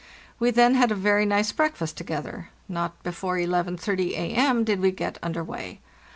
We then had a very nice breakfast together. Not before 11.30 a.m. did we get under way.